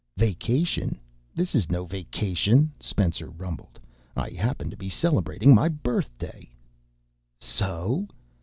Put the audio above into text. "Vacation? This is no vacation," Spencer rumbled. "I happen to be celebrating my birthday." "So?